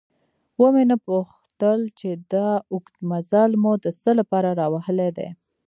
ومې نه پوښتل چې دا اوږد مزل مو د څه له پاره راوهلی دی؟